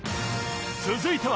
続いては